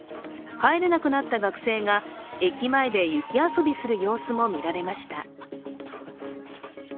帰れなくなった学生が駅前で雪遊びする様子も見られました。